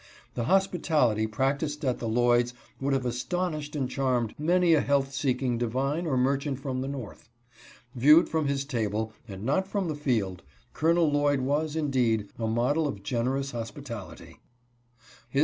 The hospitality prac ticed at the Lloyd's would have astonished and charmed many a health seeking divine or merchant from the north. Viewed from his table, and not from the field, Colonel Lloyd was, indeed, a model of generous hospitality. His 68 OLD BAENEY THE HOSTLER.